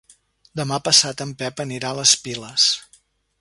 Demà passat en Pep anirà a les Piles.